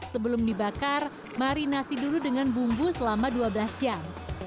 sebelum dibakar marinasi dulu dengan bumbu selama dua belas jam